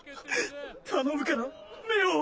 頼むから目を。